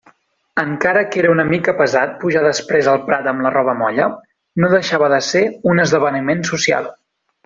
Encara que era una mica pesat pujar després el prat amb la roba molla, no deixava de ser un esdeveniment social.